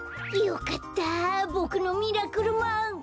よかったボクのミラクルマン。